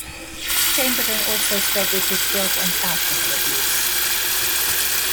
Chamberlain also struggled with drug and alcohol abuse.